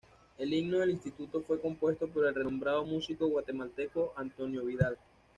El himno del instituto fue compuesto por el renombrado músico guatemalteco Antonio Vidal.